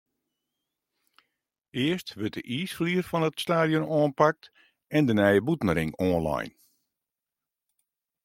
Earst wurdt de iisflier fan it stadion oanpakt en de nije bûtenring oanlein.